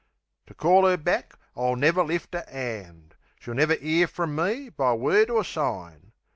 To call 'er back I'll never lift a 'and; She'll never 'ear frum me by word or sign.